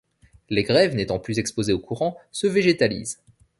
Les grèves, n'étant plus exposées au courant, se végétalisent.